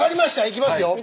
いきますよ。